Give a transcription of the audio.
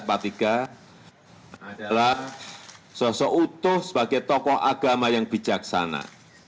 adalah sosok utuh sebagai tokoh agama yang bijaksana